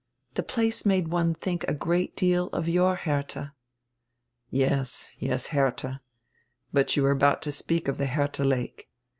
The place made one think a great deal of your Hertiia." "Yes, yes, Hertiia. But you were about to speak of the Hertiia Lake."